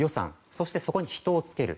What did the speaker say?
そして、そこに人をつける。